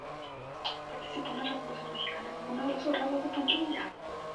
Participó en la revolución mexicana como uno de los dorados de Pancho Villa.